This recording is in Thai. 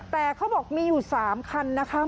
แต่เขาบอกมีอยู่๓คันนะคะ